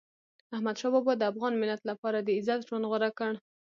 احمدشاه بابا د افغان ملت لپاره د عزت ژوند غوره کړ.